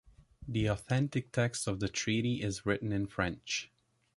The authentic text of the Treaty is written in French.